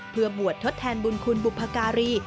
เพื่อบวชทดแทนบุญคุณบุพการี